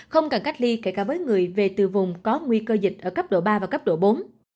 không cần cách ly kể cả với người về từ vùng có nguy cơ dịch ở cấp độ ba và cấp độ bốn